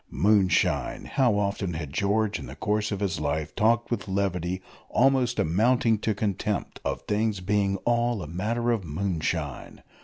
Moonshine! How often had George in the course of his life talked with levity, almost amounting to contempt, of things being "all a matter of moonshine!"